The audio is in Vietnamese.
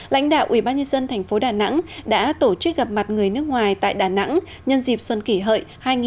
lãnh đạo ubnd tp đà nẵng đã tổ chức gặp mặt người nước ngoài tại đà nẵng nhân dịp xuân kỷ hợi hai nghìn một mươi chín